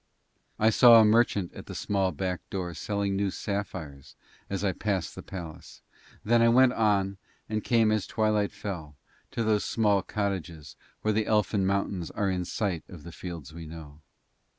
I saw a merchant at a small back door selling new sapphires as I passed the palace, then I went on and came as twilight fell to those small cottages where the elfin mountains are in sight of the fields we know.